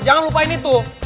jangan lupain itu